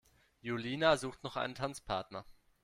Julina sucht noch einen Tanzpartner.